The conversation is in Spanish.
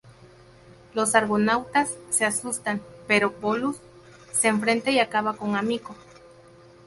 Los argonautas se asustan, pero Pólux se enfrenta y acaba con Amico.